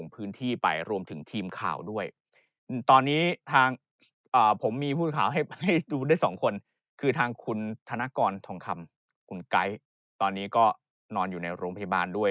เป็นธนกรทรงคำคุณไก๊ตอนนี้ก็นอนอยู่ในโรงพิบาลด้วย